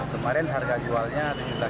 kemarin harga jualnya ada tujuh